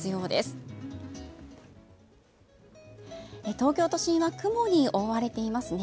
東京都心は雲に覆われていますね。